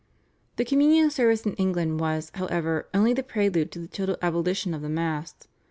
The Communion service in England was, however, only the prelude to the total abolition of the Mass.